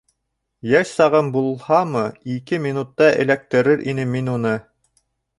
Йәш сағым булһамы, ике минутта эләктерер инем мин уны.